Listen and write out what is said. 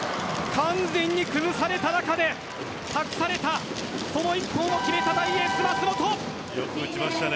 完全に崩された中で託された、その１本を決めた大エース・舛本！